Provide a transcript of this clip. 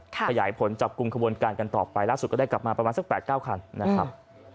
ขยายผลจับกลุ่มขบวนการกันต่อไปล่าสุดก็ได้กลับมาประมาณสัก๘๙คันนะครับ